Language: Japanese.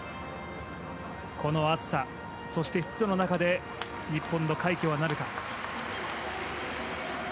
この暑さ、そして湿度の中で日本の快挙はなるか。